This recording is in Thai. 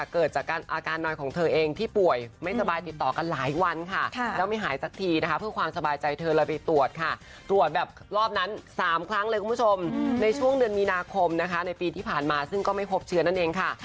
ครั้งเลยคุณผู้ชมในช่วงเดือนมีนาคมนะคะในปีที่ผ่านมาซึ่งก็ไม่พบเชือนั่นเองค่ะ